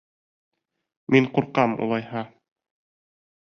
— Мин ҡурҡам, улайһа.